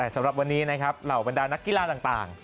สำหรับวันนี้นะครับเหล่าบรรดานักกีฬาต่าง